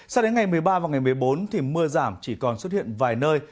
sao đến ngày một mươi ba và ngày một mươi bốn thì mưa giảm chỉ còn xuất hiện vài nơi